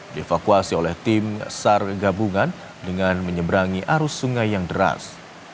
dievakuasi oleh tim sar gabungan dengan menyeberangi arus sungai yang deras